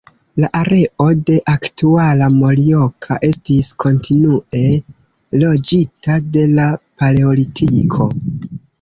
La areo de aktuala Morioka estis kontinue loĝita de la paleolitiko.